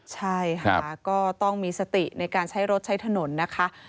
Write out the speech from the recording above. ใช่ค่ะก็ต้องมีสติในการใช้รถใช้ถนนนะคะ